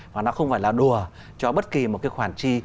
và nó không phải là đùa cho bất kỳ một cái khoản chi